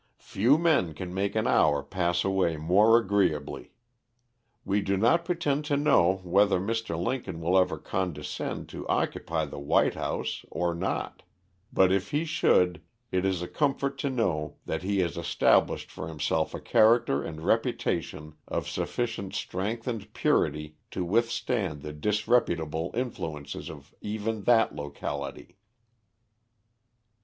Few men can make an hour pass away more agreeably. We do not pretend to know, whether Mr. Lincoln will ever condescend to occupy the White House or not: but if he should, it is a comfort to know that he has established for himself a character and reputation of sufficient strength and purity to withstand the disreputable influences of even that locality."